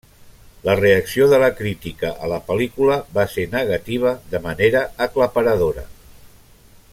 La reacció de la crítica a la pel·lícula va ser negativa de manera aclaparadora.